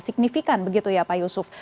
signifikan begitu ya pak yusuf